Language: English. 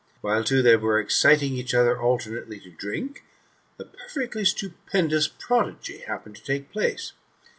While, too, they were exetdng eadi other alternately to drink, a perfectly stupendous prodtgv happened to take place.